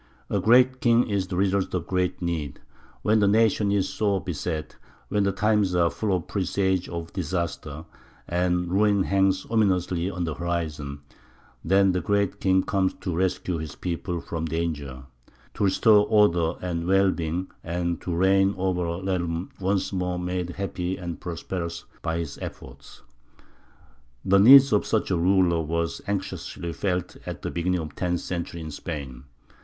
A great king is the result of a great need. When the nation is sore beset, when the times are full of presage of disaster, and ruin hangs ominously on the horizon; then the great king comes to rescue his people from danger, to restore order and well being, and to reign over a realm once more made happy and prosperous by his efforts. The need of such a ruler was anxiously felt at the beginning of the tenth century in Spain.